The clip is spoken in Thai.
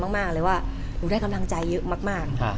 งั้นนึกได้กำลังใจเยอะมาก